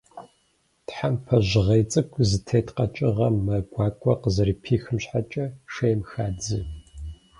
Тхьэмпэ жьгъей цӏыкӏу зытет къэкӏыгъэм мэ гуакӏуэ къызэрыпихым щхьэкӏэ, шейм хадзэ.